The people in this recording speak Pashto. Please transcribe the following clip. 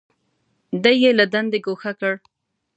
دی یې له دندې ګوښه کړ.